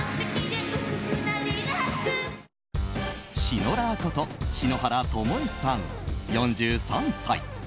シノラーこと篠原ともえさん４３歳。